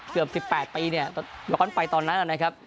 เกือบ๑๘ปีเนี่ยย้อนไปตอนนั้นนะครับ